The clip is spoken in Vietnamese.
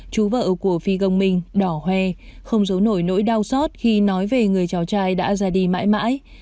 chú vợ của phi công minh đỏ hoe không giấu nổi nỗi đau xót khi nói về người cháu trai đã ra đi mãi mãi